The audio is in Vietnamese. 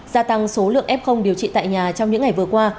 gia tăng số lượng f điều trị tại nhà trong những ngày vừa qua